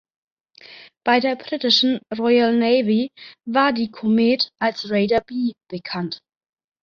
Bei der britischen Royal Navy war die "Komet" als "Raider B" bekannt.